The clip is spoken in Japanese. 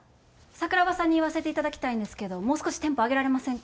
桜庭さんに言わせていただきたいんですけどもう少しテンポ上げられませんか？